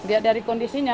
ya dari kondisinya